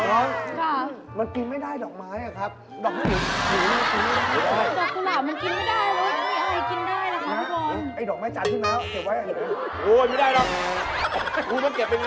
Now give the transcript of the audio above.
โอ้ไม่ได้หรอกกูจะเก็บเพื่อนอยู่